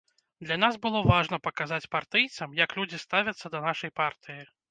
Для нас было важна паказаць партыйцам, як людзі ставяцца да нашай партыі.